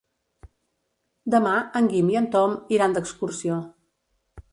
Demà en Guim i en Tom iran d'excursió.